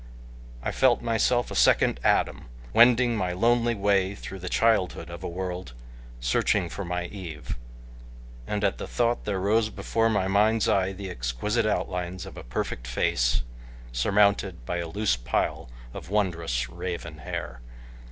I felt myself a second Adam wending my lonely way through the childhood of a world, searching for my Eve, and at the thought there rose before my mind's eye the exquisite outlines of a perfect face surmounted by a loose pile of wondrous, raven hair.